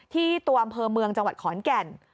ที่ตัวอำเภอเมืองจังหวัดขอนแก่น